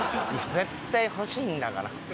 絶対欲しいんだから。